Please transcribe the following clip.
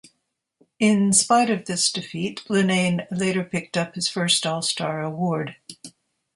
In spite of this defeat Linnane later picked up his first All-Star award.